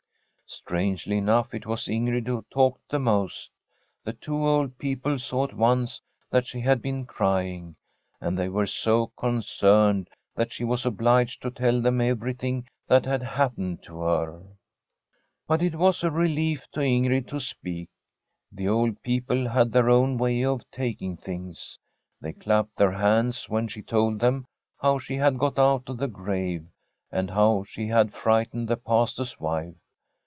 Strangely enough, it was Ingrid who talked the most. The two old people saw at once that she had been crying, and they were so concerned that she was obliged to tell them everything that had happened to her. But it was a relief to Ingrid to speak. The old people had their own way of taking things ; they clapped their hands when she told them how she had got out of the grave and how she had fright ened the Pastor's wife.